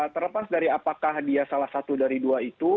terlepas dari apakah dia salah satu dari dua itu